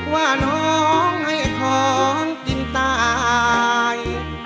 ว่าน้องให้ของกินตาย